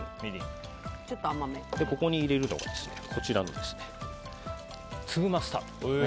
で、ここに入れるのがこちらの粒マスタード。